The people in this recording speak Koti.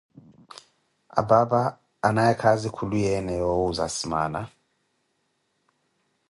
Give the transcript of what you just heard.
Apaapa anaaye khaazi khuluyeene yowuuza asimaana.